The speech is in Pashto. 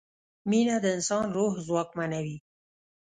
مینه د انسان روح ځواکمنوي.